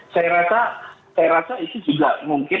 saya rasa ini juga mungkin